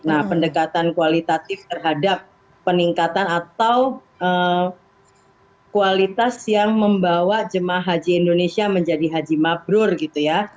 nah pendekatan kualitatif terhadap peningkatan atau kualitas yang membawa jemaah haji indonesia menjadi haji mabrur gitu ya